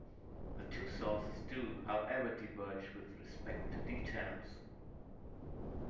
The two sources do however diverge with respect to details.